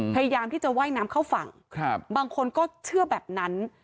พยายามที่จะว่ายน้ำเข้าฝั่งบางคนก็เชื่อแบบนั้น